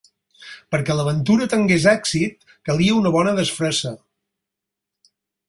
Perquè l'aventura tingués èxit calia una bona disfressa.